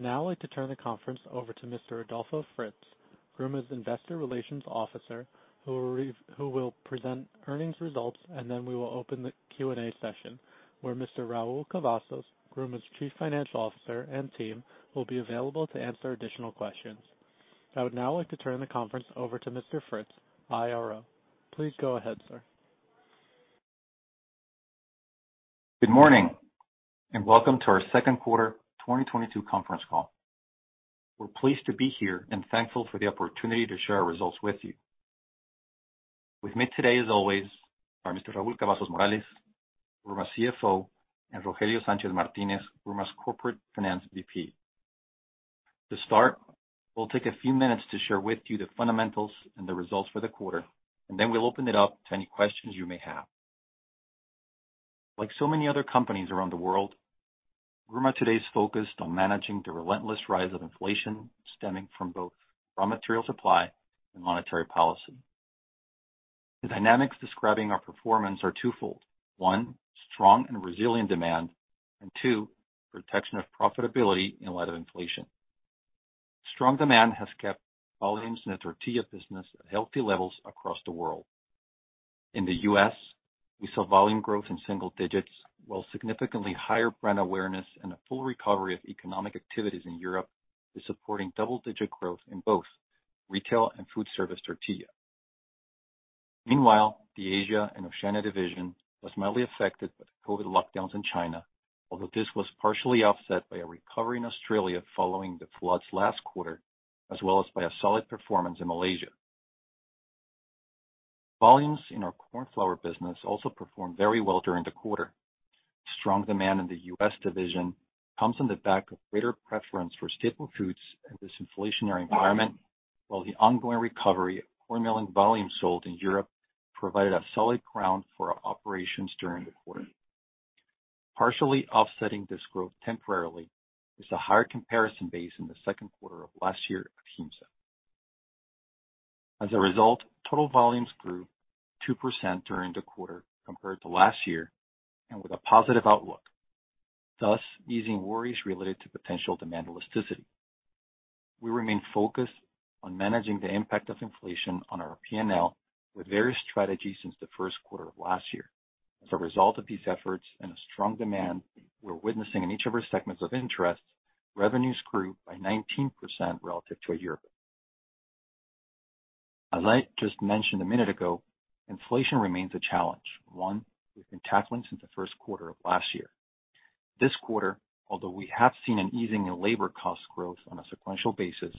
I would now like to turn the conference over to Mr. Adolfo Fritz, Gruma's Investor Relations Officer, who will present earnings results, and then we will open the Q&A session where Mr. Raúl Cavazos, Gruma's Chief Financial Officer, and team will be available to answer additional questions. I would now like to turn the conference over to Mr. Fritz, IRO. Please go ahead, sir. Good morning, and welcome to our Q2 2022 conference call. We're pleased to be here and thankful for the opportunity to share our results with you. With me today, as always, are Mr. Raúl Cavazos Morales, Gruma's CFO, and Rogelio Sánchez Martínez, Gruma's Corporate Finance VP. To start, we'll take a few minutes to share with you the fundamentals and the results for the quarter, and then we'll open it up to any questions you may have. Like so many other companies around the world, Gruma today is focused on managing the relentless rise of inflation stemming from both raw material supply and monetary policy. The dynamics describing our performance are twofold one, strong and resilient demand, and two, protection of profitability in light of inflation. Strong demand has kept volumes in the tortilla business at healthy levels across the world. In the US, we saw volume growth in single digits, while significantly higher brand awareness and a full recovery of economic activities in Europe is supporting double digit growth in both retail and food service tortilla. Meanwhile, the Asia and Oceania division was mildly affected by the COVID lockdowns in China, although this was partially offset by a recovery in Australia following the floods last quarter, as well as by a solid performance in Malaysia. Volumes in our Corn Flour business also performed very well during the quarter. Strong demand in the US division comes on the back of greater preference for staple foods in this inflationary environment, while the ongoing recovery of corn milling volume sold in Europe provided a solid ground for our operations during the quarter. Partially offsetting this growth temporarily is a higher comparison base in the Q2 of last year. As I just mentioned a minute ago, inflation remains a challenge, one we've been tackling since the Q1 of last year. This quarter, although we have seen an easing in labor cost growth on a sequential basis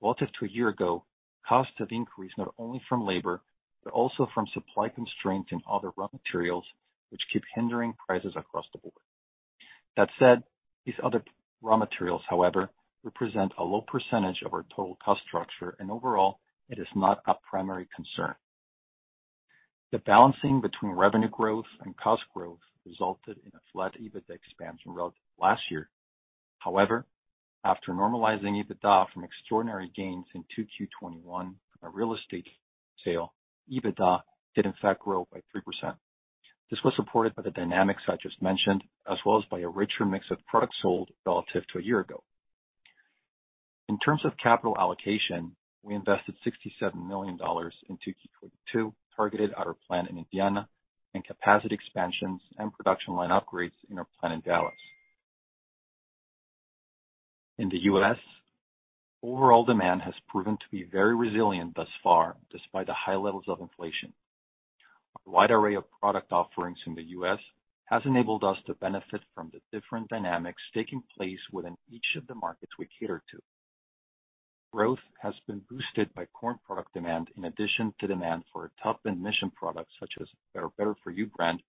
relative to a year ago, costs have increased not only from labor, but also from supply constraints and other raw materials which keep hindering prices across the board. That said, these other raw materials, however, represent a low percentage of our total cost structure, and overall, it is not a primary concern. The balancing between revenue growth and cost growth resulted in a flat EBITDA expansion rate last year. However, after normalizing EBITDA from extraordinary gains in Q2 2021 from a real estate sale, EBITDA did in fact grow by 3%. This was supported by the dynamics I just mentioned, as well as by a richer mix of products sold relative to a year ago. In terms of capital allocation, we invested $67 million in Q2 2022, targeted at our plant in Indiana and capacity expansions and production line upgrades in our plant in Dallas. In the US, overall demand has proven to be very resilient thus far, despite the high levels of inflation. Our wide array of product offerings in the US has enabled us to benefit from the different dynamics taking place within each of the markets we cater to. Growth has been boosted by corn product demand in addition to demand for our premium products such as our Better For You brand,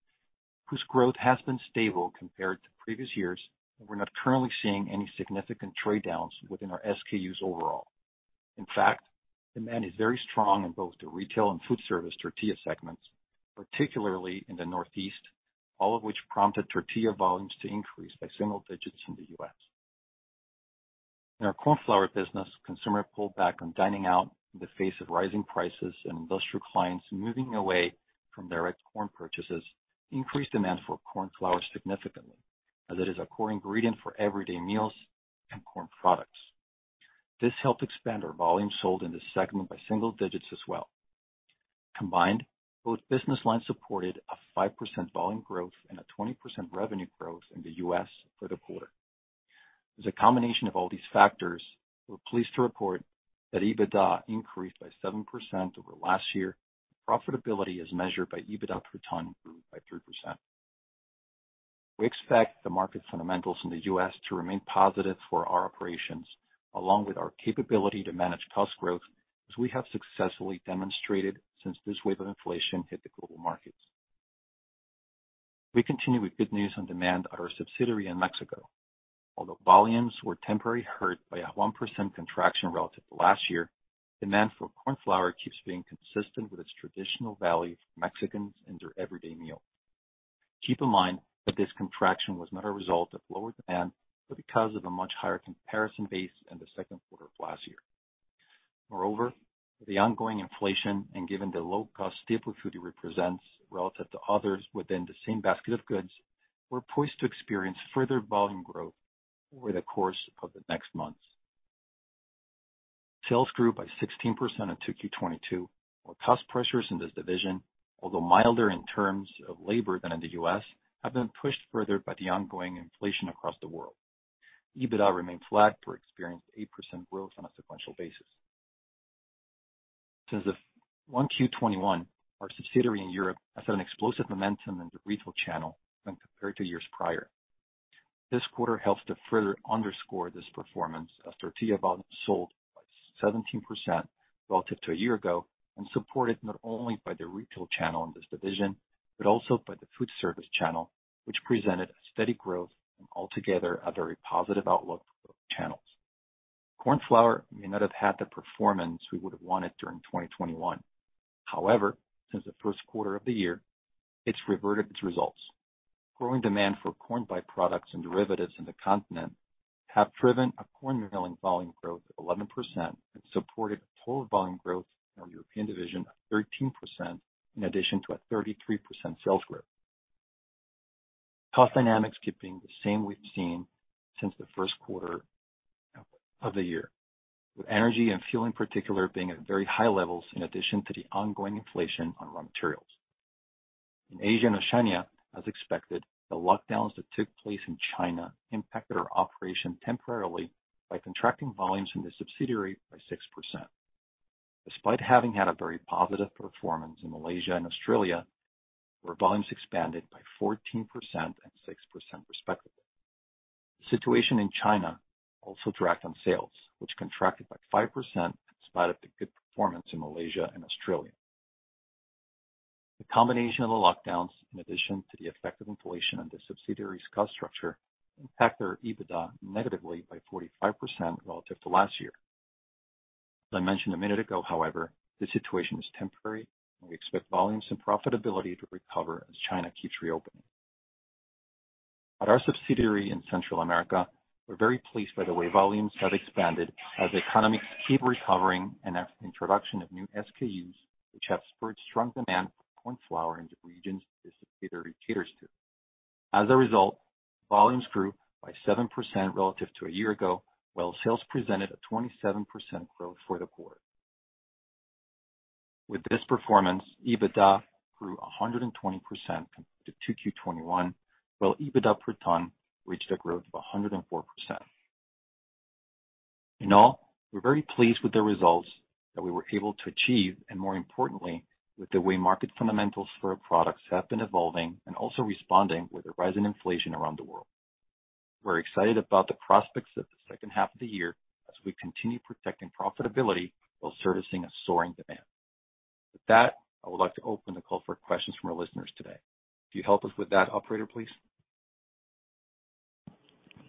whose growth has been stable compared to previous years, and we're not currently seeing any significant trade-downs within our SKUs overall. In fact, demand is very strong in both the retail and food service tortilla segments, particularly in the Northeast, all of which prompted tortilla volumes to increase by single digits in the US. In our Corn Flour business, consumer pulled back on dining out in the face of rising prices and industrial clients moving away from direct corn purchases, increased demand for corn flour significantly, as it is a core ingredient for everyday meals and corn products. This helped expand our volume sold in this segment by single digits as well. Combined, both business lines supported a 5% volume growth and a 20% revenue growth in the US for the quarter. As a combination of all these factors, we're pleased to report that EBITDA increased by 7% over last year. Profitability as measured by EBITDA per ton grew by 3%. We expect the market fundamentals in the U.S. to remain positive for our operations, along with our capability to manage cost growth as we have successfully demonstrated since this wave of inflation hit the global markets. We continue with good news on demand at our subsidiary in Mexico. Although volumes were temporarily hurt by a 1% contraction relative to last year, demand for corn flour keeps being consistent with its traditional value for Mexicans in their everyday meal. Keep in mind that this contraction was not a result of lower demand, but because of a much higher comparison base in the Q2 of last year. Moreover, the ongoing inflation and given the low cost staple food it represents relative to others within the same basket of goods, we're poised to experience further volume growth over the course of the next months. Sales grew by 16% in Q2 2022, while cost pressures in this division, although milder in terms of labor than in the U.S., have been pushed further by the ongoing inflation across the world. EBITDA remained flat but experienced 8% growth on a sequential basis. Since Q1 2021, our subsidiary in Europe has had an explosive momentum in the retail channel when compared to years prior. This quarter helps to further underscore this performance as tortilla volumes sold by 17% relative to a year ago and supported not only by the retail channel in this division, but also by the food service channel, which presented a steady growth and altogether a very positive outlook for both channels. Corn Flour may not have had the performance we would have wanted during 2021. However, since the Q1 of the year, it's reverted its results. Growing demand for corn byproducts and derivatives in the continent have driven a corn milling volume growth of 11% and supported total volume growth in our European division of 13% in addition to a 33% sales growth. Cost dynamics keep being the same we've seen since the Q1 of the year, with energy and fuel in particular being at very high levels in addition to the ongoing inflation on raw materials. In Asia and Oceania, as expected, the lockdowns that took place in China impacted our operation temporarily by contracting volumes in the subsidiary by 6%. Despite having had a very positive performance in Malaysia and Australia, where volumes expanded by 14% and 6% respectively. The situation in China also dragged down sales, which contracted by 5% despite of the good performance in Malaysia and Australia. The combination of the lockdowns, in addition to the effect of inflation on the subsidiary's cost structure, impacted our EBITDA negatively by 45% relative to last year. As I mentioned a minute ago, however, this situation is temporary, and we expect volumes and profitability to recover as China keeps reopening. At our subsidiary in Central America, we're very pleased by the way volumes have expanded as economies keep recovering and after the introduction of new SKUs, which have spurred strong demand for corn flour in the regions the subsidiary caters to. As a result, volumes grew by 7% relative to a year ago, while sales presented a 27% growth for the quarter. With this performance, EBITDA grew 120% compared to Q2 2021, while EBITDA per ton reached a growth of 104%. In all, we're very pleased with the results that we were able to achieve, and more importantly, with the way market fundamentals for our products have been evolving and also responding with the rise in inflation around the world. We're excited about the prospects of the second half of the year as we continue protecting profitability while servicing a soaring demand. With that, I would like to open the call for questions from our listeners today. Could you help us with that, operator, please?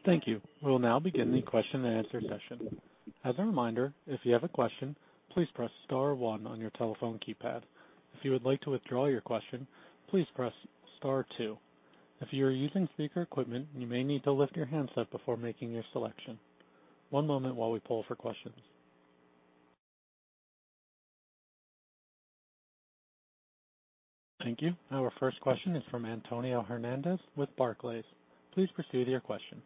Thank you. We'll now begin the question and answer session. As a reminder, if you have a question, please press star one on your telephone keypad. If you would like to withdraw your question, please press star two. If you are using speaker equipment, you may need to lift your handset before making your selection. One moment while we poll for questions. Thank you. Our first question is from Antonio Hernandez with Barclays. Please proceed with your question.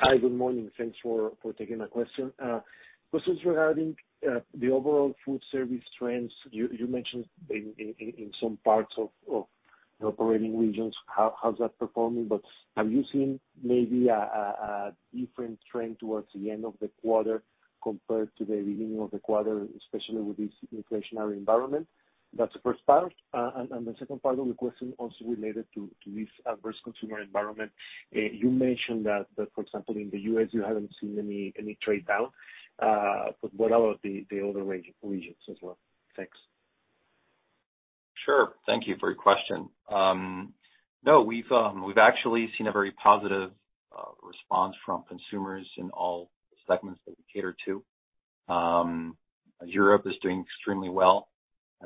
Hi, good morning thanks for taking my question. First is regarding the overall food service trends. You mentioned in some parts of the operating regions, how's that performing? Are you seeing maybe a different trend towards the end of the quarter, compared to the beginning of the quarter, especially with this inflationary environment? That's the first part. The second part of the question also related to this adverse consumer environment. You mentioned that for example, in the US you haven't seen any trade down. What about the other regions as well? Thanks. Sure. Thank you for your question. No, we've actually seen a very positive response from consumers in all segments that we cater to. Europe is doing extremely well.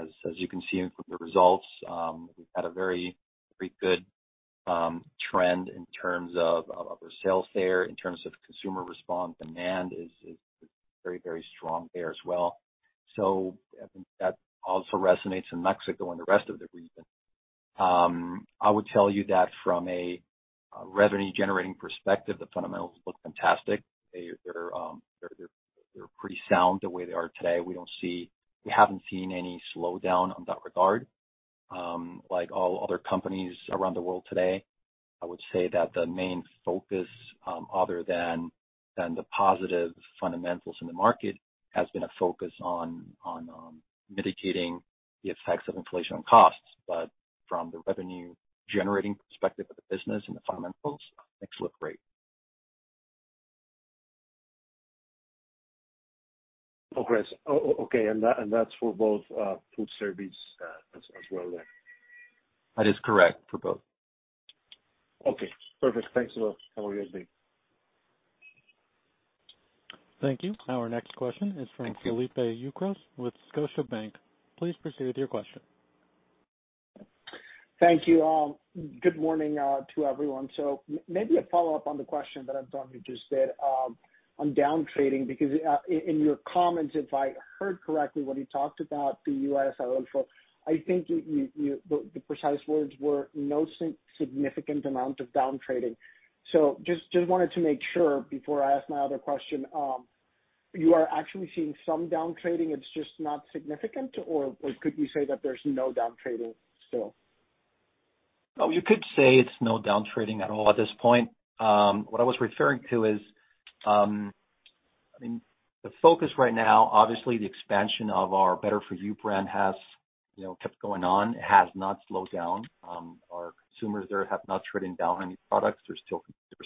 As you can see from the results, we've had a very good trend in terms of our sales there in terms of consumer response, demand is very strong there as well. I think that also resonates in Mexico and the rest of the region. I would tell you that from a revenue generating perspective, the fundamentals look fantastic. They're pretty sound the way they are today. We haven't seen any slowdown in that regard. Like all other companies around the world today, I would say that the main focus, other than the positive fundamentals in the market, has been a focus on mitigating the effects of inflation on costs. From the revenue generating perspective of the business and the fundamentals, things look great. Okay. That's for both food service as well then? That is correct, for both. Okay, perfect. Thanks a lot. Have a great day. Thank you. Our next question is from. Thank you. Felipe Ucrós with Scotiabank. Please proceed with your question. Thank you. Good morning to everyone. Maybe a follow-up on the question that Antonio just did on down-trading because in your comments, if I heard correctly what you talked about the U.S. I think you. The precise words were no significant amount of down-trading. Just wanted to make sure before I ask my other question. You are actually seeing some down-trading, it's just not significant or could you say that there's no down-trading still? Oh, you could say it's no down-trading at all at this point. What I was referring to is, I mean, the focus right now, obviously the expansion of our Better For You brand has, you know, kept going on, it has not slowed down. Our consumers there have not traded down any products they're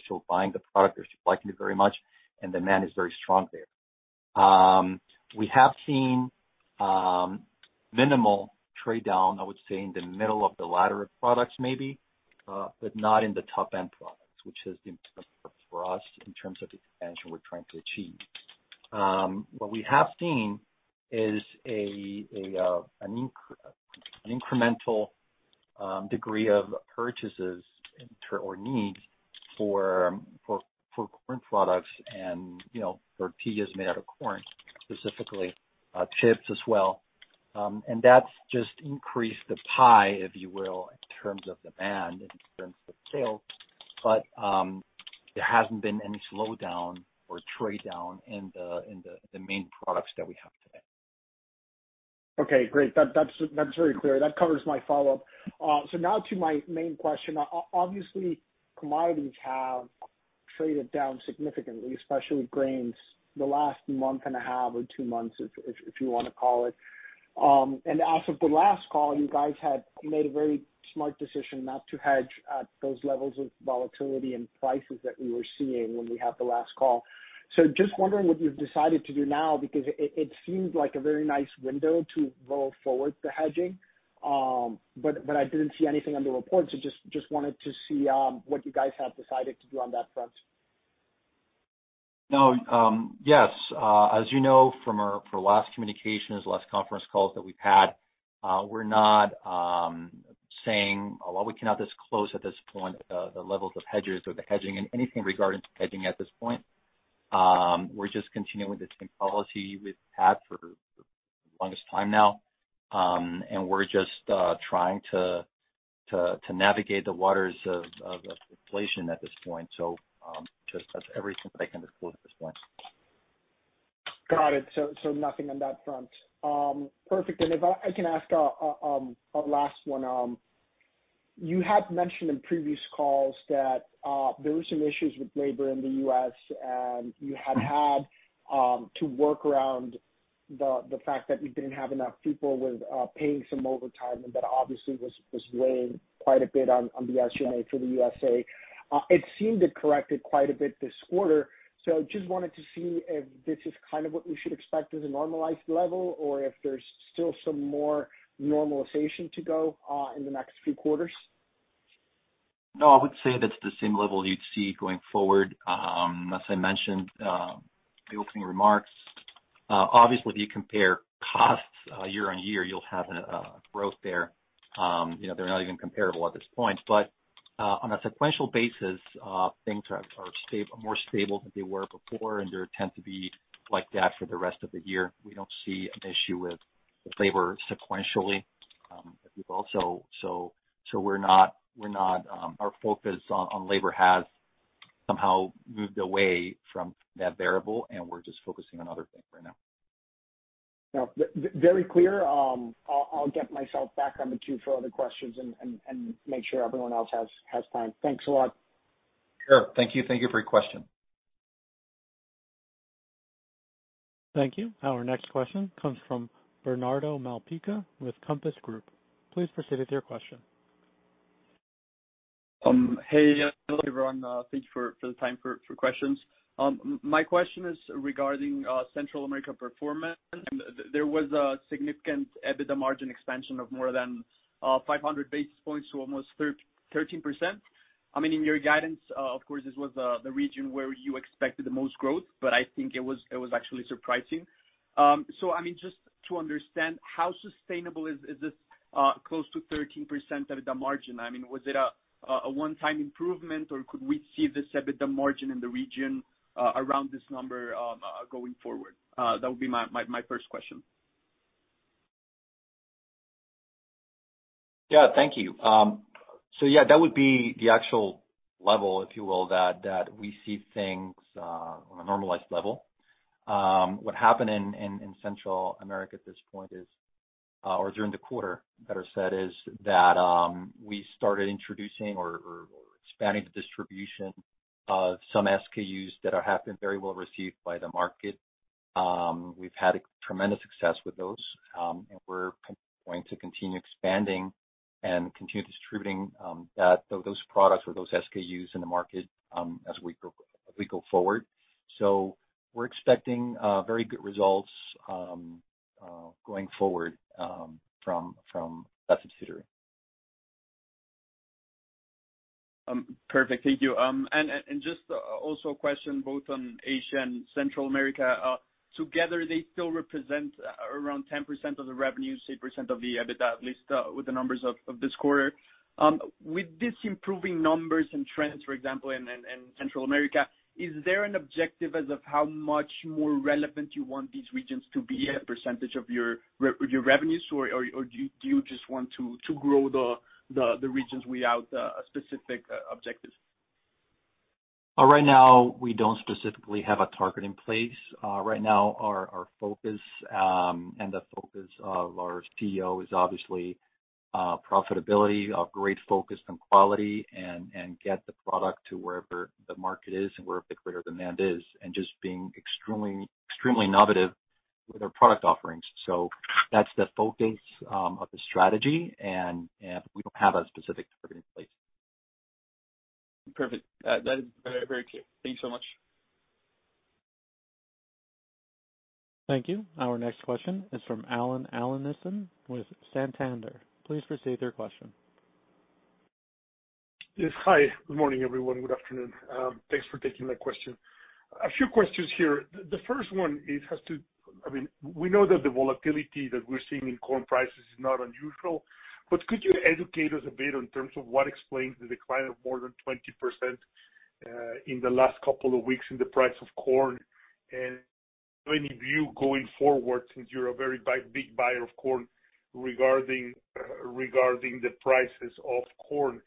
still buying the product they're still liking it very much, and demand is very strong there. We have seen minimal trade down, I would say, in the middle of the ladder of products maybe? But not in the top-end products, which has been for us in terms of the expansion we're trying to achieve. What we have seen is an incremental degree of purchases or need for corn products and, you know, tortillas made out of corn specifically, chips as well. That's just increased the pie, if you will, in terms of demand, in terms of sales. There hasn't been any slowdown or trade down in the main products that we have today. Okay, great. That's very clear. That covers my follow-up. Now to my main question. Obviously, commodities have traded down significantly, especially grains, the last month and a half or two months, if you wanna call it. As of the last call, you guys had made a very smart decision not to hedge at those levels of volatility and prices that we were seeing when we had the last call. Just wondering what you've decided to do now, because it seems like a very nice window to roll forward the hedging. I didn't see anything on the report, just wanted to see what you guys have decided to do on that front. No, yes, as you know from our last communications, last conference calls that we've had, while we cannot disclose at this point the levels of hedges or the hedging and anything regarding to hedging at this point, we're just continuing the same policy we've had for the longest time now. We're just trying to navigate the waters of inflation at this point. Just that's everything that I can disclose at this point. Got it. Nothing on that front. Perfect if I can ask a last one. You had mentioned in previous calls that there were some issues with labor in the US, and you had to work around the fact that you didn't have enough people with paying some overtime, and that obviously was weighing quite a bit on the SG&A for the USA. It seemed it corrected quite a bit this quarter. Just wanted to see if this is kind of what we should expect as a normalized level? or if there's still some more normalization to go in the next few quarters. No, I would say that's the same level you'd see going forward. As I mentioned, in the opening remarks, obviously if you compare costs, year-on-year, you'll have a growth there. You know, they're not even comparable at this point. On a sequential basis, things are more stable than they were before, and they tend to be like that for the rest of the year we don't see an issue with labor sequentially, at this point. We're not. Our focus on labor has somehow moved away from that variable, and we're just focusing on other things right now. No, very clear. I'll get myself back on the queue for other questions and make sure everyone else has time. Thanks a lot. Sure. Thank you. Thank you for your question. Thank you. Our next question comes from Bernardo Malpica with Compass Group. Please proceed with your question. Hey, hello everyone. Thank you for the time for questions. My question is regarding Central America performance. There was a significant EBITDA margin expansion of more than 500 basis points to almost 13%. I mean, in your guidance, of course this was the region where you expected the most growth, but I think it was actually surprising. So I mean, just to understand, how sustainable is this close to 13% of the margin? I mean, was it a one-time improvement, or could we see this EBITDA margin in the region around this number going forward? That would be my first question. Yeah. Thank you. Yeah, that would be the actual level, if you will, that we see things on a normalized level. What happened in Central America at this point is, or during the quarter, better said, is that we started introducing or expanding the distribution of some SKUs that have been very well received by the market. We've had tremendous success with those. We're going to continue expanding and continue distributing those products or those SKUs in the market as we go forward. We're expecting very good results going forward from that subsidiary. Perfect thank you. Just also a question both on Asia and Central America. Together, they still represent around 10% of the revenue, 6% of the EBITDA, at least, with the numbers of this quarter. With these improving numbers and trends, for example, in Central America, is there an objective as of how much more relevant you want these regions to be as a percentage of your revenues? Or do you just want to grow the regions without a specific objective? Right now we don't specifically have a target in place. Right now our focus and the focus of our CEO is obviously profitability, a great focus on quality and get the product to wherever the market is and wherever the greater demand is, and just being extremely innovative with our product offerings. That's the focus of the strategy, and we don't have a specific target in place. Perfect. That is very clear thank you so much. Thank you. Our next question is from Alan Alanís with Santander. Please proceed with your question. Yes. Hi, good morning, everyone. Good afternoon. Thanks for taking my question. A few questions here. The first one, I mean, we know that the volatility that we're seeing in corn prices is not unusual. Could you educate us a bit in terms of what explains the decline of more than 20% in the last couple of weeks in the price of corn? Any view going forward, since you're a very big buyer of corn, regarding the prices of corn.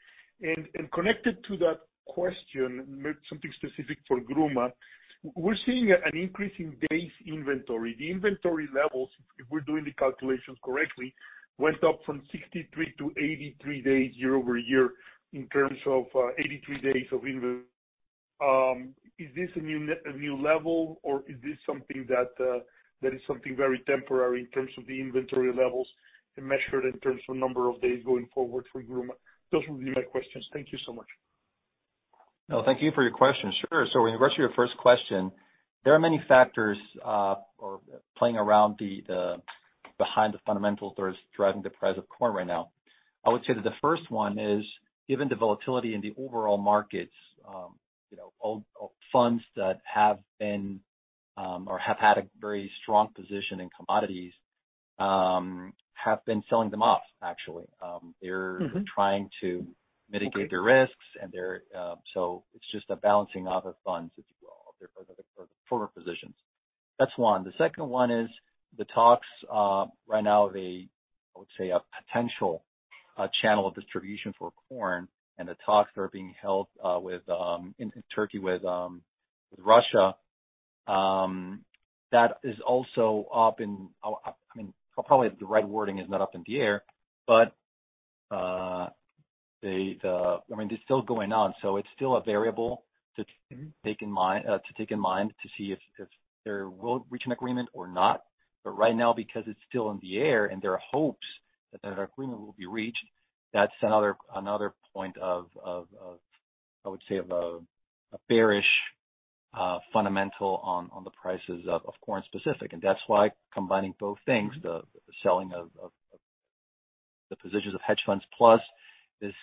Connected to that question, something specific for Gruma. We're seeing an increase in days inventory the inventory levels, if we're doing the calculations correctly, went up from 63 to 83 days year-over-year in terms of 83 days of invent Is this a new level? or is this something that is something very temporary in terms of the inventory levels measured in terms of number of days going forward for Gruma? Those would be my questions. Thank you so much. No, thank you for your question. Sure in regards to your first question, there are many factors operating around the fundamentals that are driving the price of corn right now. I would say that the first one is, given the volatility in the overall markets, you know, all funds that have had a very strong position in commodities, have been selling them off actually. Trying to mitigate their risks and they're, so it's just a balancing of the funds as well for the forward positions. That's one the second one is the talks right now of a, I would say, a potential channel of distribution for corn and the talks that are being held within Turkey with Russia. That is also, I mean, probably the right wording is not up in the air. I mean, it's still going on, so it's still a variable to- -keep in mind to see if they will reach an agreement or not. Right now, because it's still in the air and there are hopes that an agreement will be reached, that's another point of, I would say, a bearish fundamental on the prices of corn, specifically that's why combining both things, the selling of the positions of hedge funds plus this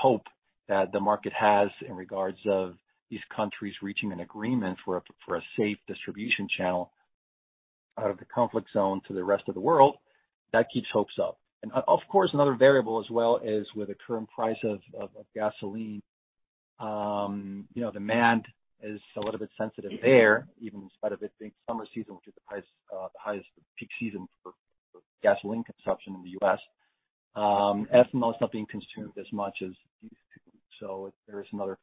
hope that the market has in regards to these countries reaching an agreement for a safe distribution channel out of the conflict zone to the rest of the world, that keeps hopes up. Of course, another variable as well is with the current price of gasoline, you know, demand is a little bit sensitive there, even in spite of it being summer season, which is the highest peak season for gasoline consumption in the US. Ethanol is not being consumed as much as it used to. There is another,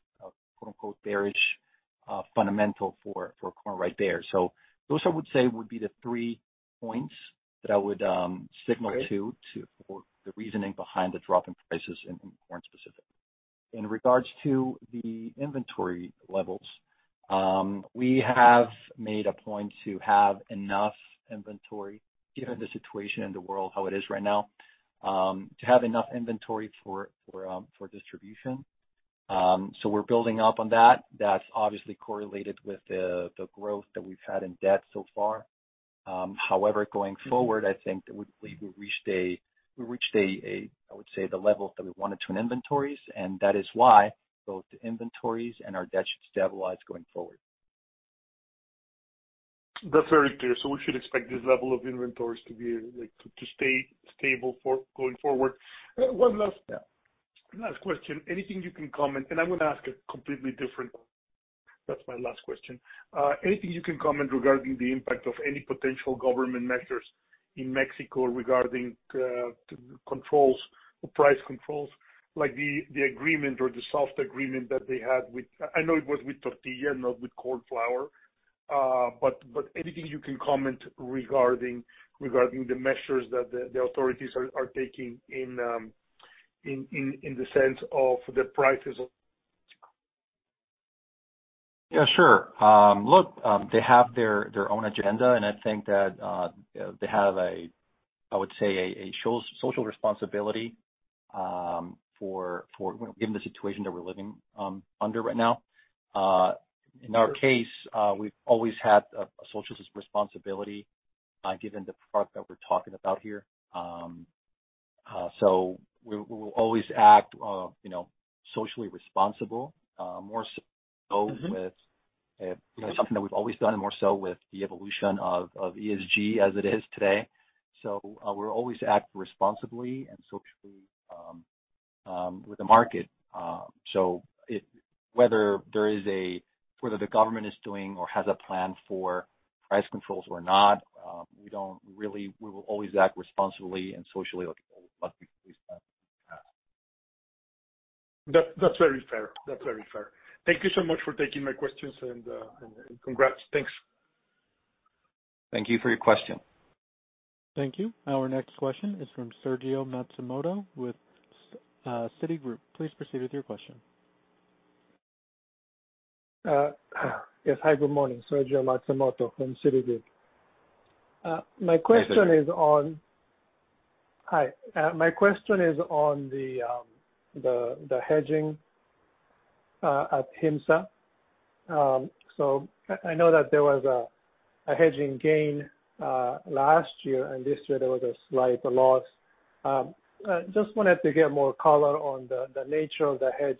quote-unquote, "bearish" fundamental for corn right there. Those I would say would be the three points that I would signal to. Great To for the reasoning behind the drop in prices in corn specific. In regards to the inventory levels, we have made a point to have enough inventory given the situation in the world how it is right now, to have enough inventory for distribution. We're building up on that. That's obviously correlated with the growth that we've had in debt so far. However, going forward, I think that we believe we reached a level that we wanted to in inventories, and that is why both inventories and our debt should stabilize going forward. That's very clear we should expect this level of inventories to be, like, to stay stable going forward. Yeah. Last question im gonna ask a completely different. That's my last question. Anything you can comment regarding the impact of any potential government measures in Mexico regarding controls or price controls, like the agreement or the soft agreement that they had with i know it was with tortilla, not with Corn Flour. But anything you can comment regarding the measures that the authorities are taking in the sense of the prices of- Yeah, sure. Look, they have their own agenda, and I think that they have, I would say, social responsibility for, you know, given the situation that we're living under right now. Sure. In our case, we've always had a social responsibility, given the product that we're talking about here. We will always act, you know, socially responsible, more so. With you know something that we've always done, and more so with the evolution of ESG as it is today. We'll always act responsibly and socially with the market. Whether the government is doing or has a plan for price controls or not, we will always act responsibly and socially like. That's very fair. Thank you so much for taking my questions and congrats. Thanks. Thank you for your question. Thank you. Our next question is from Sergio Matsumoto with Citigroup. Please proceed with your question. Yes, hi, good morning. Sergio Matsumoto from Citigroup. My question is on. Hi, Sergio. Hi. My question is on the hedging at Giemsa. I know that there was a hedging gain last year, and this year there was a slight loss. I just wanted to get more color on the nature of the hedge.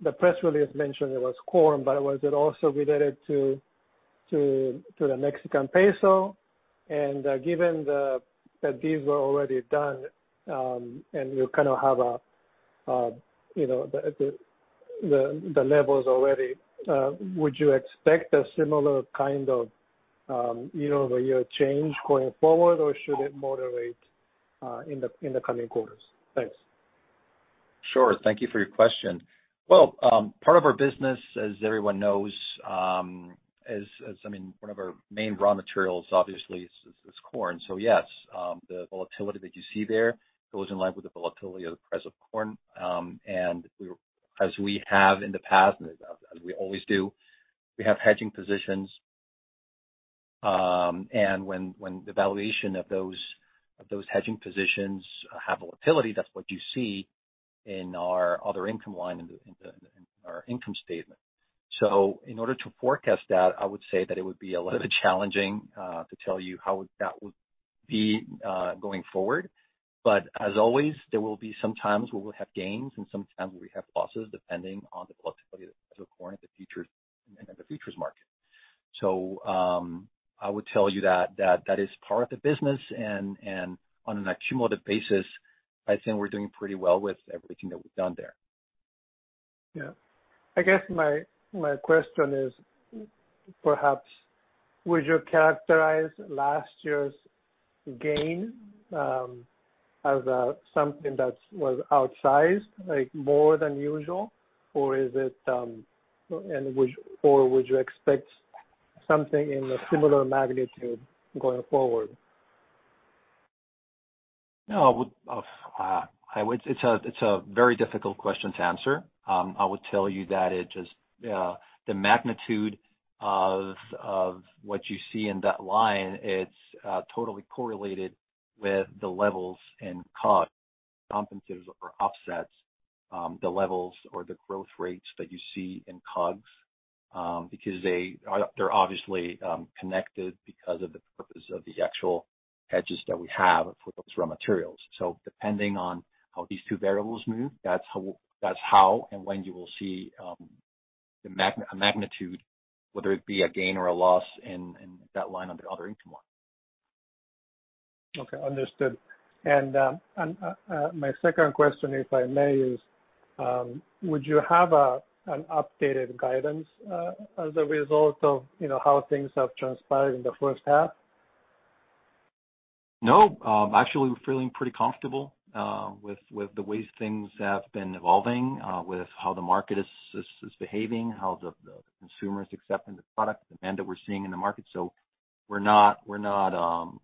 The press release mentioned it was corn, but was it also related to the Mexican peso? Given that these were already done, and you kind of have a you know the levels already, would you expect a similar kind of year-over-year change going forward or should it moderate in the coming quarters? Thanks. Sure. Thank you for your question. Well, part of our business, as everyone knows, as I mean, one of our main raw materials obviously is corn so yes, the volatility that you see there goes in line with the volatility of the price of corn. As we have in the past and as we always do, we have hedging positions. When the valuation of those hedging positions have volatility, that's what you see in our other income line in our income statement. In order to forecast that, I would say that it would be a little bit challenging to tell you how that would be going forward. As always, there will be some times where we'll have gains and some times where we have losses depending on the volatility of the price of corn in the futures market. I would tell you that is part of the business and on a cumulative basis, I'd say we're doing pretty well with everything that we've done there. Yeah. I guess my question is perhaps would you characterize last year's gain? as something that was outsized, like more than usual? Or is it? Or would you expect something in a similar magnitude going forward? No, I would. It's a very difficult question to answer. I would tell you that the magnitude of what you see in that line, it's totally correlated with the levels in COGS, compensations or offsets, the levels or the growth rates that you see in COGS. Because they are they're obviously connected because of the purpose of the actual hedges that we have for those raw materials. Depending on how these two variables move, that's how and when you will see the magnitude, whether it be a gain or a loss in that line on the other income line. Okay. Understood. My second question, if I may, is would you have an updated guidance as a result of, you know, how things have transpired in the first half? No. Actually we're feeling pretty comfortable with the way things have been evolving with how the market is behaving, how the consumer is accepting the product, demand that we're seeing in the market we're not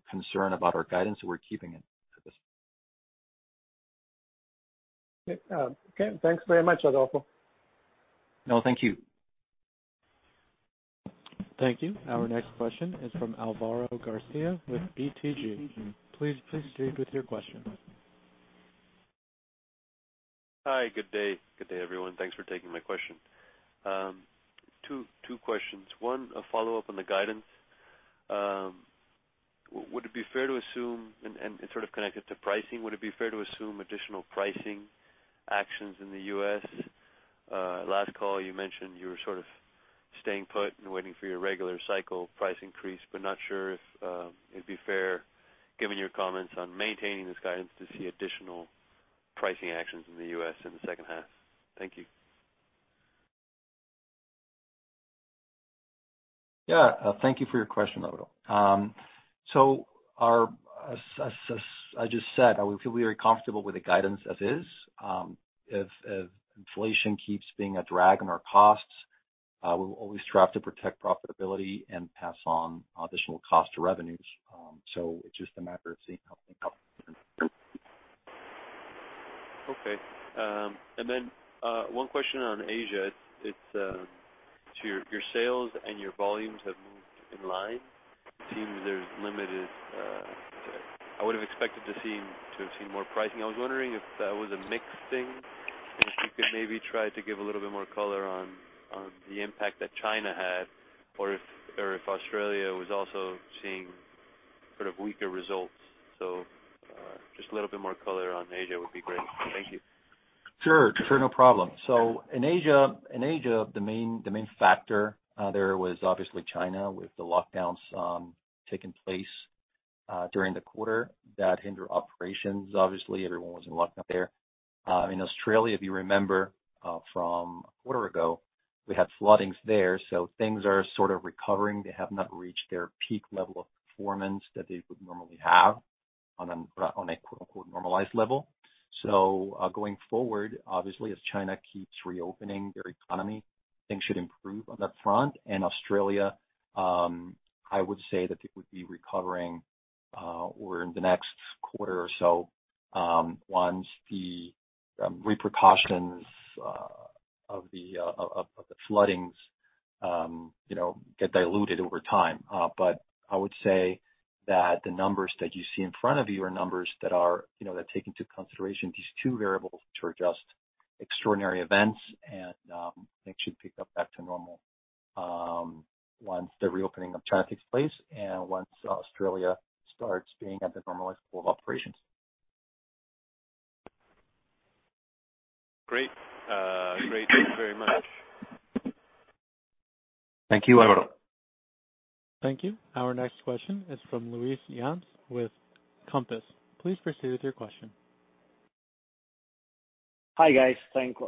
concerned about our guidance we're keeping it at this point. Okay. Thanks very much, Adolfo. No, thank you. Thank you. Our next question is from Alvaro Garcia with BTG. Please proceed with your question. Hi. Good day. Good day, everyone thanks for taking my question. Two questions one, a follow-up on the guidance. Would it be fair to assume, and it's sort of connected to pricing, would it be fair to assume additional pricing actions in the U.S.? Last call you mentioned you were sort of staying put and waiting for your regular cycle price increase, but not sure if it'd be fair given your comments on maintaining this guidance to see additional pricing actions in the U.S. in the second half. Thank you. Yeah. Thank you for your question, Alvaro. As I just said, we feel very comfortable with the guidance as is. If inflation keeps being a drag on our costs, we will always strive to protect profitability and pass on additional cost to revenues. It's just a matter of seeing how things go. Okay. One question on Asia. It seems your sales and your volumes have moved in line. It seems I would have expected to have seen more pricing i was wondering if that was a mixed thing. If you could maybe try to give a little bit more color on the impact that China had or if Australia was also seeing sort of weaker results. Just a little bit more color on Asia would be great. Thank you. Sure. No problem. In Asia, the main factor there was obviously China with the lockdowns taking place during the quarter that hinder operations obviously everyone was in lockdown there. In Australia, if you remember, from a quarter ago, we had floodings there, so things are sort of recovering they have not reached their peak level of performance that they would normally have- -On a quote-unquote normalized level. Going forward, obviously as China keeps reopening their economy, things should improve on that front and Australia, I would say that it would be recovering over in the next quarter or so, once the repercussions of the floodings, you know, get diluted over time. I would say that the numbers that you see in front of you are numbers that are, you know, that take into consideration these two variables to adjust extraordinary events and things should pick up back to normal, once the reopening of China takes place and once Australia starts being at the normalized pool of operations. Great. Great thank you very much. Thank you, Alvaro. Thank you. Our next question is from José Yañez with Compass. Please proceed with your question. Hi, guys. Thanks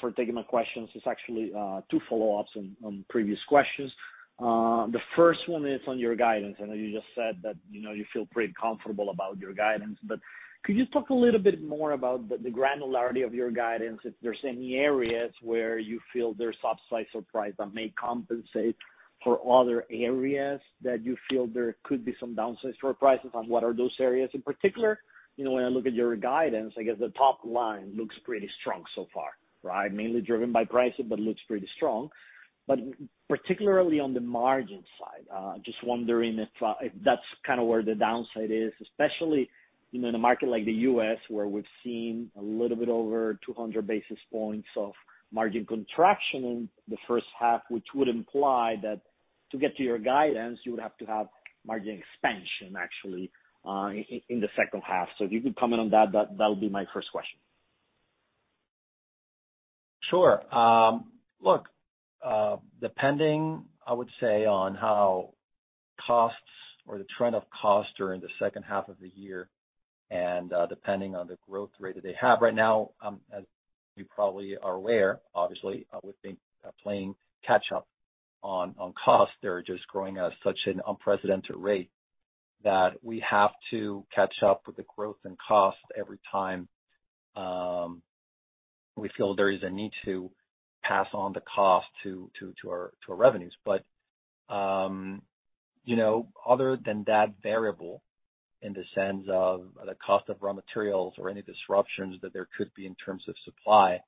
for taking my questions. It's actually two follow-ups on previous questions. The first one is on your guidance i know you just said that, you know, you feel pretty comfortable about your guidance, but could you talk a little bit more about the granularity of your guidance, if there's any areas where you feel there's upside surprise that may compensate for other areas that you feel there could be some downsides for prices, and what are those areas in particular? You know, when I look at your guidance, I guess the top line looks pretty strong so far, right? Mainly driven by pricing, but looks pretty strong. Particularly on the margin side, just wondering if that's kind of where the downside is, especially, you know, in a market like the US where we've seen a little bit over 200 basis points of margin contraction in the first half, which would imply that to get to your guidance, you would have to have margin expansion actually, in the second half so if you could comment on that'll be my first question. Sure. Look, depending, I would say, on how costs or the trend of costs during the second half of the year and, depending on the growth rate that they have right now, as you probably are aware, obviously, we've been playing catch up on costs. They're just growing at such an unprecedented rate that we have to catch up with the growth and cost every time, we feel there is a need to pass on the cost to our revenues. You know, other than that variable. In the sense of the cost of raw materials or any disruptions that there could be in terms of supply.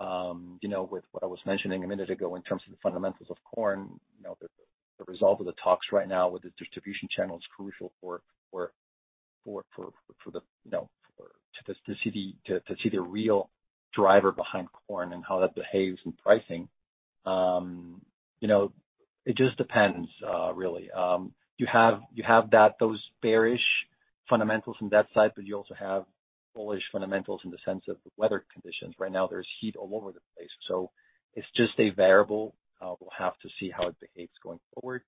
You know, with what I was mentioning a minute ago in terms of the fundamentals of corn, you know, the result of the talks right now with the distribution channel is crucial for the- -you know, to just see the real driver behind corn and how that behaves in pricing. You know, it just depends, really. You have those bearish fundamentals on that side, but you also have bullish fundamentals in the sense of the weather conditions right now, there's heat all over the place. It's just a variable. We'll have to see how it behaves going forward.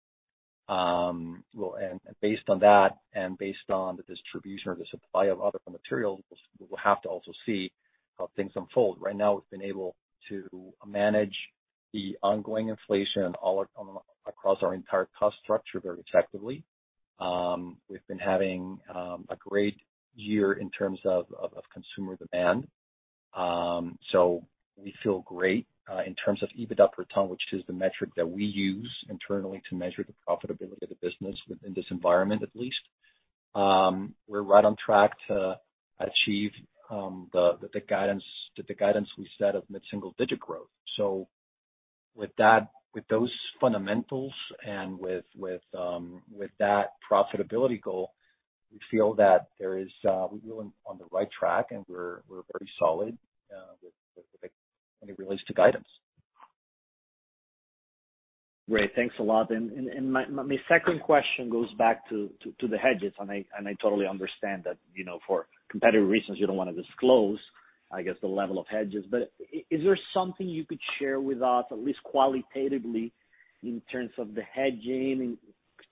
Based on that and based on the distribution or the supply of other materials, we will have to also see how things unfold right now, we've been able to manage the ongoing inflation across our entire cost structure very effectively. We've been having a great year in terms of consumer demand. We feel great in terms of EBITDA per ton, which is the metric that we use internally to measure the profitability of the business within this environment, at least. We're right on track to achieve the guidance we set of mid-single digit growth. With that, with those fundamentals and with that profitability goal, we feel that we're really on the right track and we're very solid when it relates to guidance. Great. Thanks a lot. My second question goes back to the hedges i totally understand that, you know, for competitive reasons you don't wanna disclose, I guess, the level of hedges. Is there something you could share with us, at least qualitatively in terms of the hedging.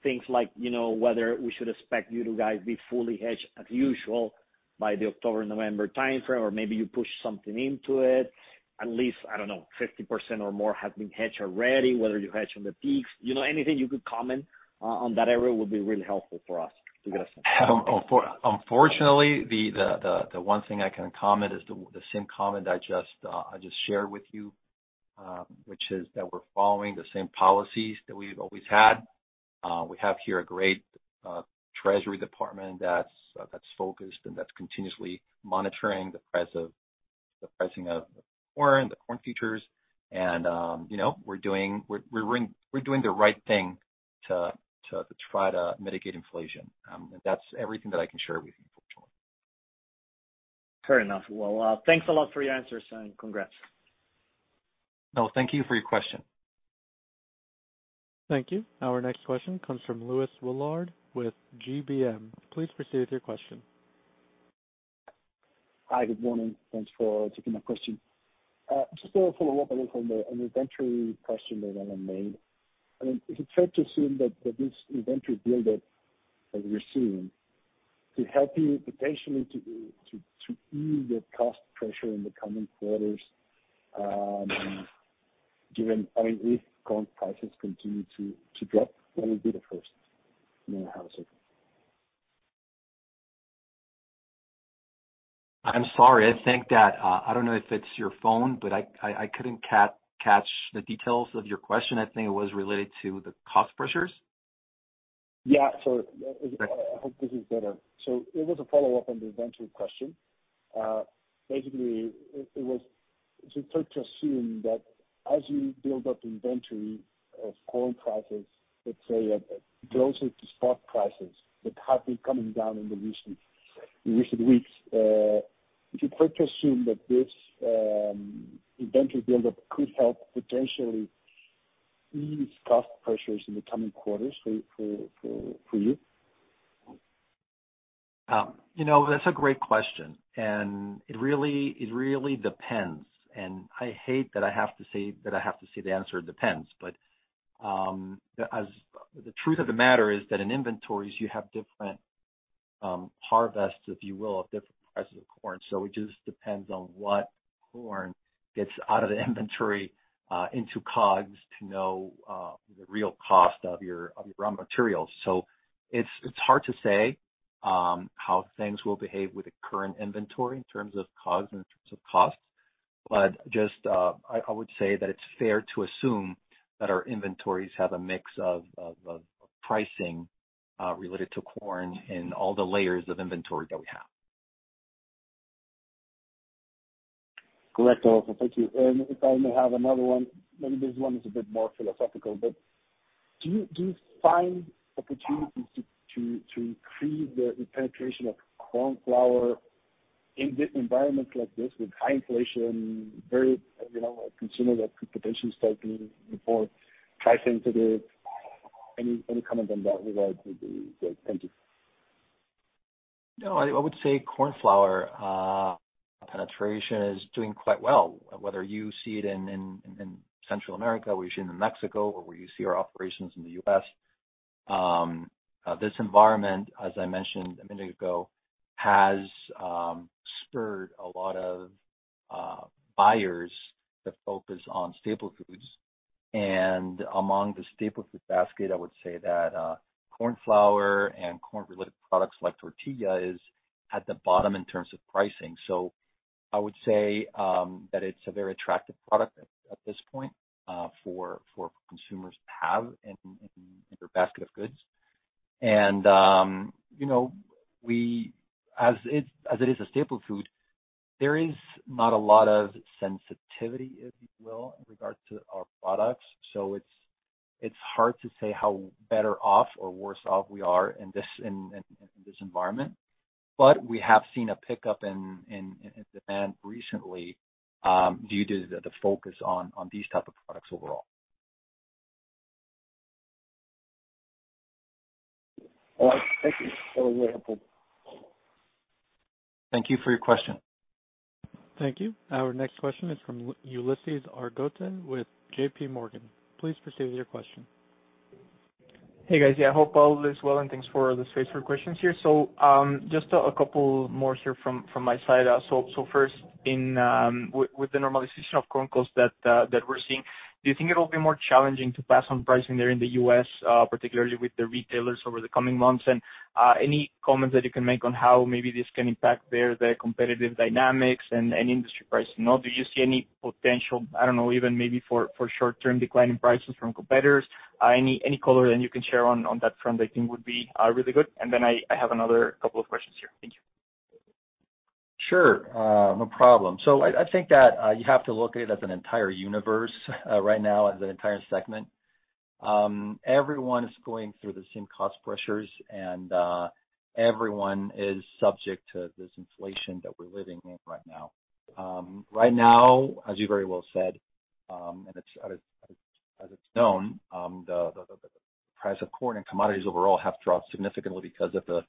Things like, you know, whether we should expect you guys to be fully hedged as usual by the October, November timeframe, or maybe you pushed something into it, at least, I don't know, 50% or more has been hedged already, whether you hedge on the peaks you know, anything you could comment on that area would be really helpful for us to get a sense. Unfortunately, the one thing I can comment is the same comment I just shared with you, which is that we're following the same policies that we've always had. We have here a great treasury department that's focused and that's continuously monitoring the pricing of the corn futures, and you know, we're doing the right thing to try to mitigate inflation. That's everything that I can share with you, unfortunately. Fair enough. Well, thanks a lot for your answers, and congrats. No, thank you for your question. Thank you. Our next question comes from Luis Willard with GBM. Please proceed with your question. Hi, good morning. Thanks for taking my question. Just a follow-up a little from the inventory question that Alan made. I mean, is it fair to assume that this inventory build-up that you're seeing, could help you potentially to ease the cost pressure in the coming quarters? Given I mean, if corn prices continue to drop, when would be the first? You know how soon? I'm sorry. I think that I don't know if it's your phone, but I couldn't catch the details of your question i think it was related to the cost pressures. I hope this is better. It was a follow-up on the inventory question. Basically, is it fair to assume that as you build up inventory as corn prices, let's say, closer to spot prices that have been coming down in the recent weeks, is it fair to assume that this inventory build-up could help potentially, ease cost pressures in the coming quarters for you? You know, that's a great question, and it really depends, and I hate that I have to say the answer depends. The truth of the matter is that in inventories you have different harvests, if you will, of different prices of corn its just depends on what corn gets out of the inventory into COGS to know the real cost of your raw materials. It's hard to say, how things will behave with the current inventory in terms of COGS and in terms of costs. Just, I would say that it's fair to assume, that our inventories have a mix of pricing related to corn in all the layers of inventory that we have. Correct also, thank you if I may have another one. Maybe this one is a bit more philosophical, but do you find opportunities to increase the penetration of corn flour in the environments like this with high inflation, very, you know, a consumer that could potentially start being more price sensitive? Any comment in that regard would be great. Thank you. No, I would say corn flour penetration is doing quite well, whether you see it in Central America or you see it in Mexico or whether you see our operations in the U.S. This environment, as I mentioned a minute ago, has spurred a lot of buyers to focus on staple foods. Among the staple food basket, I would say that corn flour and corn-related products like tortilla is at the bottom in terms of pricing. I would say that it's a very attractive product at this point for consumers to have in their basket of goods. You know, as it is a staple food, there is not a lot of sensitivity, if you will, in regards to our products. It's hard to say how better off or worse off we are in this environment. We have seen a pickup in demand recently, due to the focus on these type of products overall. All right. Thank you. That was very helpful. Thank you for your question. Thank you. Our next question is from Ulises Argote with J.P. Morgan. Please proceed with your question. Hey, guys. Yeah, I hope all is well, and thanks for the space for questions here. Just a couple more here from my side with the normalization of corn costs that we're seeing, do you think it'll be more challenging to pass on pricing there in the U.S., particularly with the retailers over the coming months? Any comments that you can make on how maybe this can impact the competitive dynamics and any industry pricing? Or do you see any potential, I don't know, even maybe for short-term decline in prices from competitors? Any color that you can share on that front I think would be really good. Then I have another couple of questions here. Thank you. Sure. No problem. I think that you have to look at it as an entire universe, right now as an entire segment. Everyone is going through the same cost pressures, and everyone is subject to this inflation that we're living in right now. Right now, as you very well said, and as it's known, the price of corn and commodities overall have dropped significantly because of the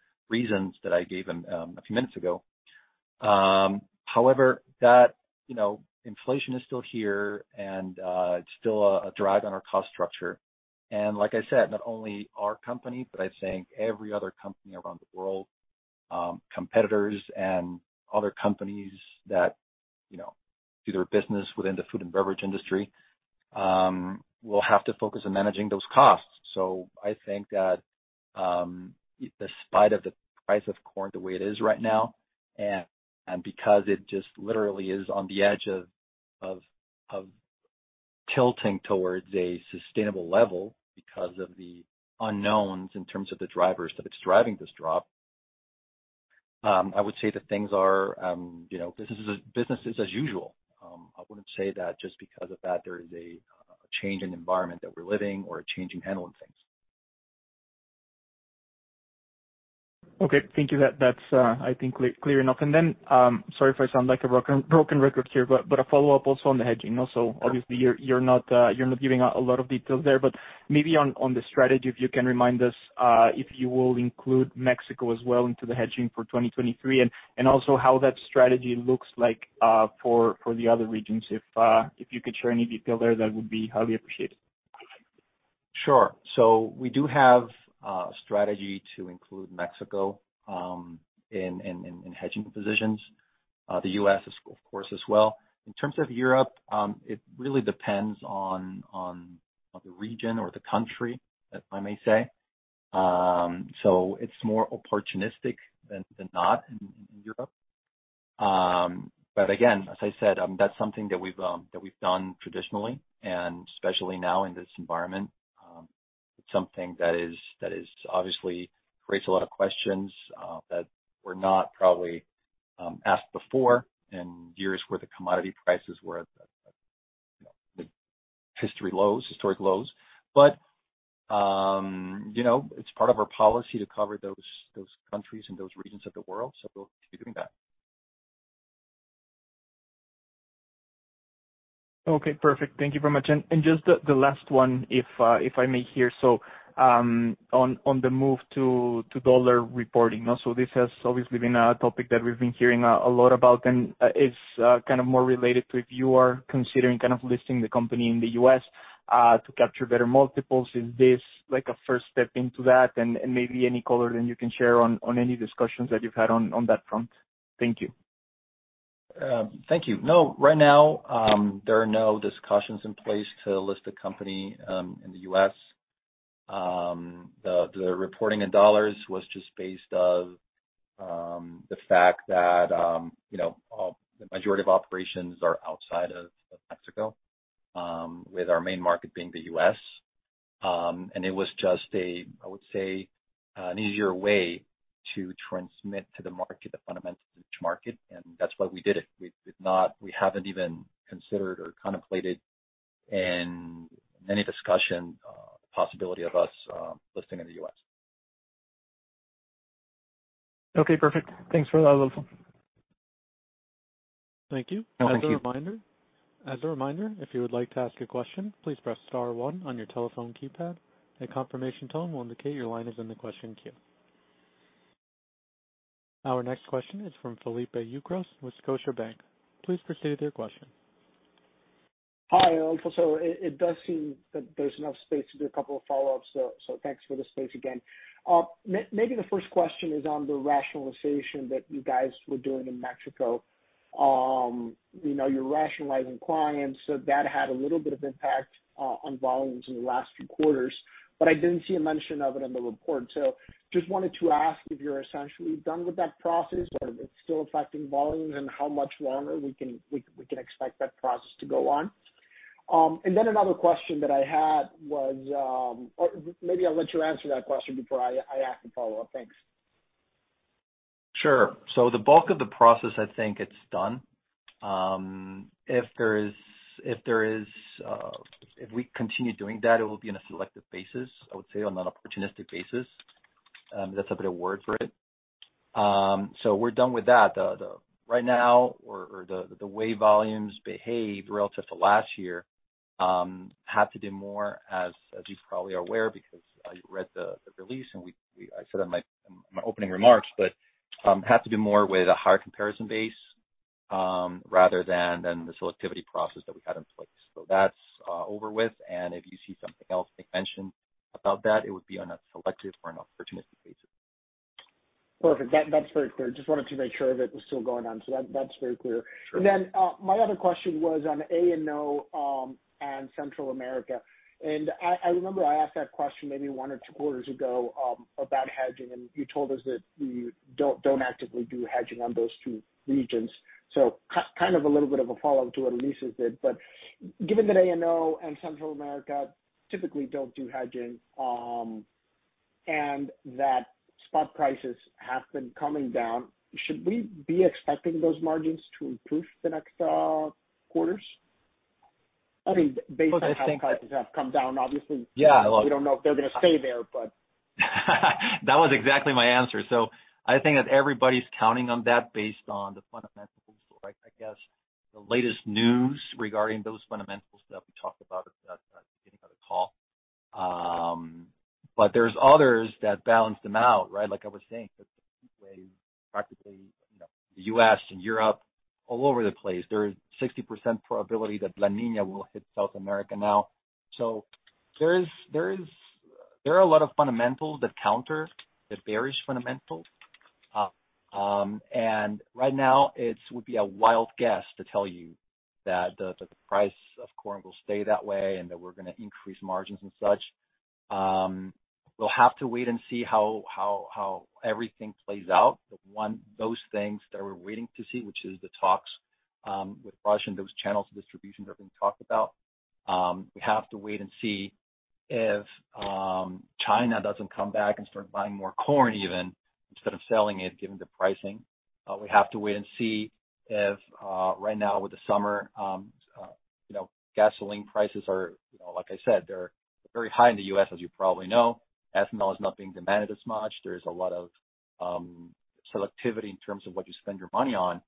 reasons that I gave in a few minutes ago. However, you know, inflation is still here and it's still a drag on our cost structure. Like I said, not only our company, but I think every other company around the world, competitors and other companies that, you know, do their business within the food and beverage industry, will have to focus on managing those costs. I think that, despite of the price of corn the way it is right now, and because it just literally is on the edge of tilting towards a sustainable level because of the unknowns in terms of the drivers that it's driving this drop. I would say that things are, you know, business is as usual. I wouldn't say that just because of that, there is a change in environment that we're living or a change in handling things. Okay. Thank you that's clear enough then, sorry if I sound like a broken record here, but a follow-up also on the hedging also. Obviously, you're not giving out a lot of details there, but maybe on the strategy, if you can remind us, if you will include Mexico as well into the hedging for 2023 and also how that strategy looks like, for the other regions. If you could share any detail there, that would be highly appreciated. Sure. We do have a strategy to include Mexico in hedging positions. The U.S. is of course as well. In terms of Europe, it really depends on the region or the country, if I may say. It's more opportunistic than not in Europe. Again, as I said, that's something that we've done traditionally, and especially now in this environment. It's something that is obviously creates a lot of questions that were not probably asked before in years where the commodity prices were at the historic lows. You know, it's part of our policy to cover those countries and those regions of the world we'll keep doing that. Okay, perfect. Thank you very much. Just the last one, if I may here. On the move to dollar reporting also, this has obviously been a topic that we've been hearing a lot about, and it's kind of more related to if you are considering kind of listing the company in the U.S. to capture better multiples. Is this like a first step into that? Maybe any color that you can share on any discussions that you've had on that front? Thank you. Thank you. No, right now, there are no discussions in place to list the company in the U.S. The reporting in dollars was just based on the fact that, you know, the majority of operations are outside of Mexico. With our main market being the U.S. It was just a, I would say, an easier way to transmit to the market the fundamentals to the market, and that's why we did it we haven't even considered or contemplated in any discussion the possibility of us listing in the U.S. Okay, perfect. Thanks for that, Adolfo. Thank you. Oh, thank you. As a reminder, if you would like to ask a question, please press star one on your telephone keypad. A confirmation tone will indicate your line is in the question queue. Our next question is from Felipe Ucrós with Scotiabank. Please proceed with your question. Hi, Adolfo. It does seem that there's enough space to do a couple of follow-ups, so thanks for the space again. Maybe the first question is on the rationalization that you guys were doing in Mexico. You know, you're rationalizing clients, so that had a little bit of impact on volumes in the last few quarters, but I didn't see a mention of it in the report. Just wanted to ask if you're essentially done with that process? or if it's still affecting volumes and how much longer we can expect that process to go on. Then another question that I had was. Or maybe I'll let you answer that question before I ask the follow-up. Thanks. Sure. The bulk of the process, I think it's done. If we continue doing that, it will be on a selective basis. I would say on an opportunistic basis, that's a better word for it. We're done with that. Right now, the way volumes behave relative to last year have to do more, as you probably are aware, because I read the release and I said in my opening remarks. Have to do more with a higher comparison base, rather than the selectivity process that we had in place that's over with, and if you see something else get mentioned about that, it would be on a selective or an opportunistic basis. Perfect that's very clear. Just wanted to make sure if it was still going on. That's very clear. Sure. My other question was on A&O and Central America. I remember I asked that question maybe Q1 or Q2 ago about hedging, and you told us that you don't actively do hedging on those two regions. Kind of a little bit of a follow-up to what Ulises did. Given that A&O and Central America typically don't do hedging and that spot prices have been coming down, should we be expecting those margins to improve the next quarters? I mean, based on how prices have come down, obviously. Yeah. We don't know if they're gonna stay there, but. That was exactly my answer. I think that everybody's counting on that based on the fundamentals, or I guess the latest news regarding those fundamentals that we talked about at the beginning of the call. There's others that balance them out, right? Like I was saying, there's different ways, practically, you know, the U.S. and Europe, all over the place there is 60% probability that La Niña will hit South America now. There are a lot of fundamentals that counter the bearish fundamentals. Right now it would be a wild guess to tell you, that the price of corn will stay that way and that we're gonna increase margins and such. We'll have to wait and see how everything plays out. Those things that we're waiting to see, which is the talks with Russia and those channels of distribution that have been talked about. We have to wait and see if China doesn't come back and start buying more corn even instead of selling it, given the pricing. We have to wait and see if, right now with the summer, you know, gasoline prices are, you know, like I said, they're very high in the US, as you probably know. Ethanol is not being demanded as much. There's a lot of selectivity in terms of what you spend your money on.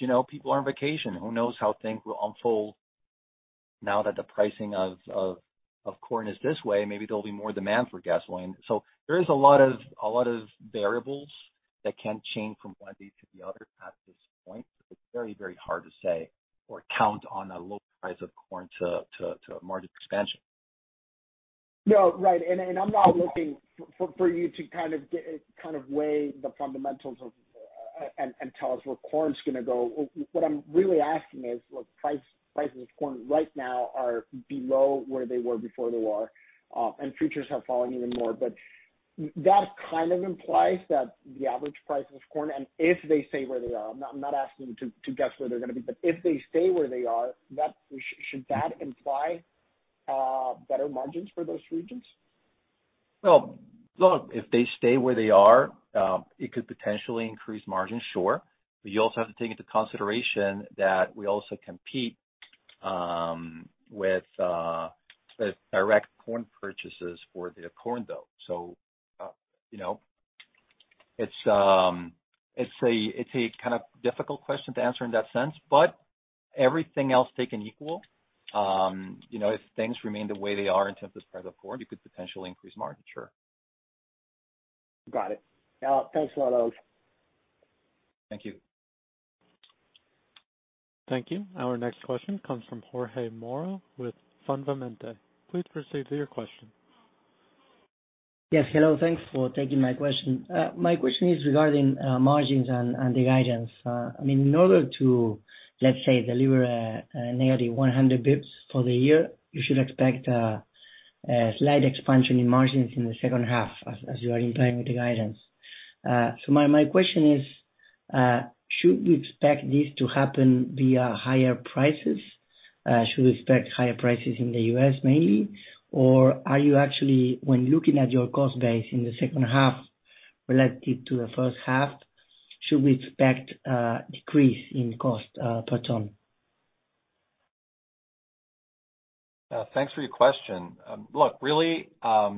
You know, people are on vacation. Who knows how things will unfold now that the pricing of corn is this way, maybe there'll be more demand for gasoline. There is a lot of variables that can change from one day to the other at this point it's very, very hard to say or count on a low price of corn to margin expansion. No, right. I'm not looking for you to weigh the fundamentals and tell us where corn is gonna go what I'm really asking is, look, prices of corn right now are below where they were before the war, and futures have fallen even more. That kind of implies that the average price of corn, and if they stay where they are, I'm not asking you to guess where they're gonna be if they stay where they are, should that imply better margins for those regions? Well, look, if they stay where they are, it could potentially increase margins sure. You also have to take into consideration that we also compete, with the direct corn purchases for the corn though. You know, it's a kind of difficult question to answer in that sense. Everything else taken equal, you know, if things remain the way they are in terms of price of corn, we could potentially increase margin sure. Got it. Thanks a lot, Adolfo. Thank you. Thank you. Our next question comes from Jorge Moro with Fundamente. Please proceed with your question. Yes, hello. Thanks for taking my question. My question is regarding margins and the guidance. I mean, in order to, let's say, deliver a nearly 100 basis points for the year, you should expect a slight expansion in margins in the second half as you are implying with the guidance. So my question is, should we expect this to happen via higher prices? Should we expect higher prices in the U.S. maybe? Or are you actually, when looking at your cost base in the second half relative to the first half, should we expect a decrease in cost per ton? Thanks for your question. Look, really, the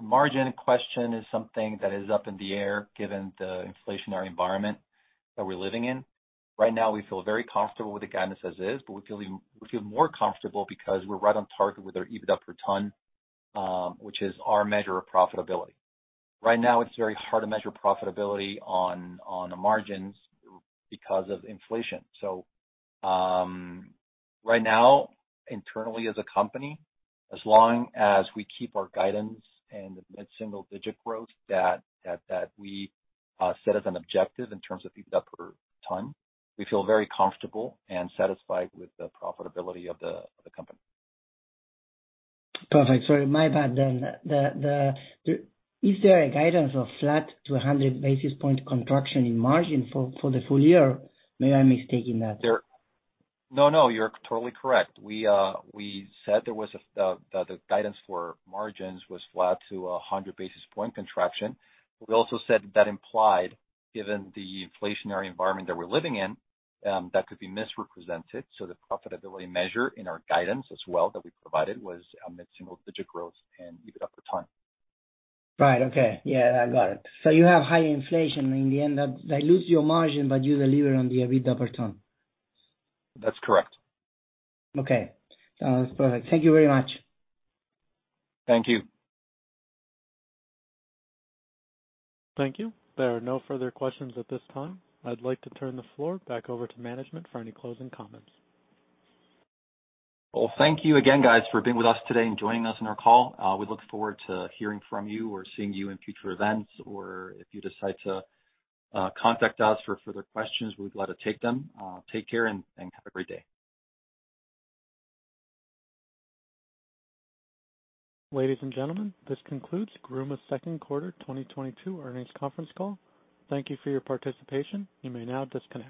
margin question is something that is up in the air given the inflationary environment that we're living in. Right now, we feel very comfortable with the guidance as is, but we feel more comfortable because we're right on target with our EBITDA per ton, which is our measure of profitability. Right now, it's very hard to measure profitability on the margins because of inflation. Right now, internally as a company, as long as we keep our guidance and the mid-single digit growth that we set as an objective in terms of EBITDA per ton, we feel very comfortable and satisfied with the profitability of the company. Perfect sorry, my bad then. Is there a guidance of flat to 100 basis point contraction in margin for the full year? Am I mistaken that? No, no, you're totally correct. We said there was the guidance for margins was flat to a 100 basis point contraction. We also said that implied, given the inflationary environment that we're living in, that could be misrepresented the profitability measure in our guidance as well, that we provided was a mid-single digit growth and EBITDA per ton. Right. Okay. Yeah, I got it. You have high inflation in the end that dilutes your margin, but you deliver on the EBITDA per ton. That's correct. Okay. That's perfect thank you very much. Thank you. Thank you. There are no further questions at this time. I'd like to turn the floor back over to management for any closing comments. Well, thank you again guys for being with us today and joining us on our call. We look forward to hearing from you or seeing you in future events or if you decide to, contact us for further questions, we'd be glad to take them. Take care and have a great day. Ladies and gentlemen, this concludes Gruma's Q2 2022 earnings conference call. Thank you for your participation. You m ay now disconnect.